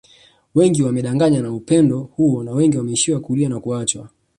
Wengi wamedanganywa na upendo huo na wengi wameishia kulia na kuachwa